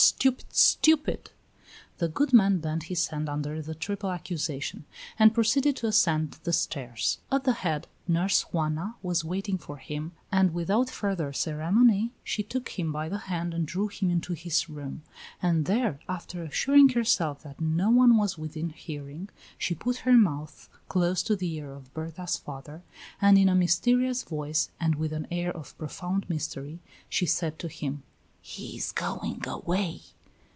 stupid! stupid!" The good man bent his head under the triple accusation, and proceeded to ascend the stairs. At the head Nurse Juana was waiting for him, and without further ceremony she took him by the hand and drew him into his room; and there, after assuring herself that no one was within hearing, she put her mouth close to the ear of Berta's father, and in a mysterious voice, and with an air of profound mystery, she said to him: "He is going away!"